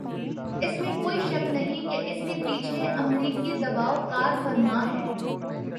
اس میں کوئی شک نہیں کہ اس کے پیچھے امریکی دبائو کارفرما ہے۔